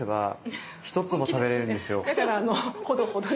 だからあのほどほどに。